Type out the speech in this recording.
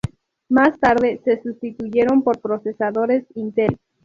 Más tarde se sustituyeron por procesadores Intel.